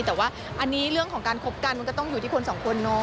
แต่ว่าอันนี้เรื่องของการคบกันมันก็ต้องอยู่ที่คนสองคนเนาะ